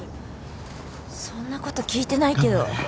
そんな事聞いてないけど。